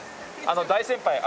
大先輩。